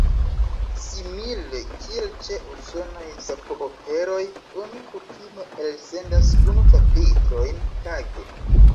Simile kiel ĉe usonaj sapo-operoj oni kutime elsendas unu ĉapitrojn tage.